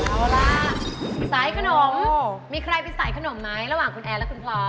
เอาล่ะสายขนมมีใครไปสายขนมไหมระหว่างคุณแอร์และคุณพลอย